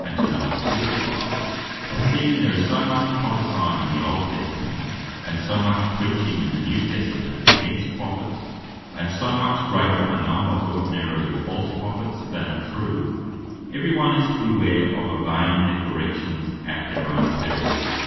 &C) to know a Spirit by: and seeing there is so much Prophecying in the Old Testament; and so much Preaching in the New Testament against Prophets; and so much greater a number ordinarily of false Prophets, then of true; every one is to beware of obeying their directions, at their own perill.